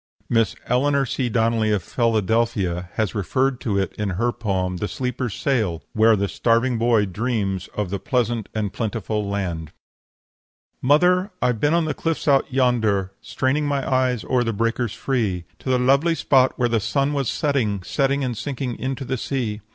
Miss Eleanor C. Donnelly, of Philadelphia, has referred to it in her poem, "The Sleeper's Sail," where the starving boy dreams of the pleasant and plentiful land: "'Mother, I've been on the cliffs out yonder, Straining my eyes o'er the breakers free To the lovely spot where the sun was setting, Setting and sinking into the sea.